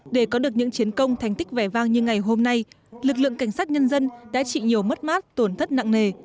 để có được những chiến công thành tích vẻ vang như ngày hôm nay lực lượng cảnh sát nhân dân đã chịu nhiều mất mát tổn thất nặng nề